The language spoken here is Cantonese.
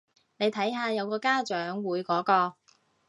你睇下有個家長會嗰個